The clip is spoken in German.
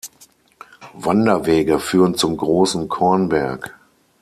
Wanderwege führen zum Großen Kornberg.